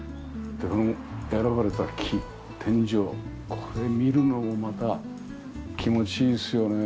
自分で選ばれた木天井これ見るのもまた気持ちいいですよね。